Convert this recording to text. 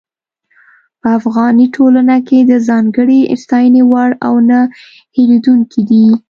په افغاني ټولنه کې د ځانګړې ستاينې وړ او نۀ هېرېدونکي دي.